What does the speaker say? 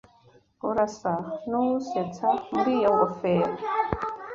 Urasa nuwusetsa muri iyo ngofero.